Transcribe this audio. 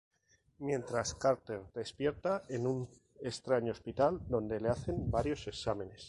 Mientras, Carter despierta en un extraño hospital donde le hacen varios exámenes.